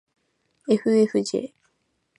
ｆｆｊ